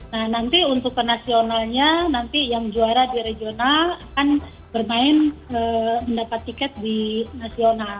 nah nanti untuk penasionalnya nanti yang juara di regional akan bermain mendapat tiket di nasional